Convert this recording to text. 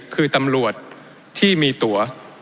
คือตำรวจที่มีตัว